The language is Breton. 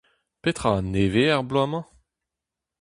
Petra a-nevez er bloaz-mañ ?